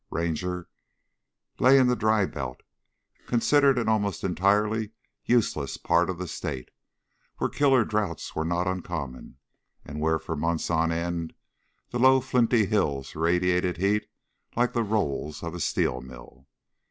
Ranger lay in the dry belt considered an almost entirely useless part of the state where killing droughts were not uncommon, and where for months on end the low, flinty hills radiate heat like the rolls of a steel mill.